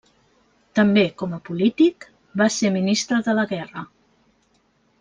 També, com a polític, va ser Ministre de la Guerra.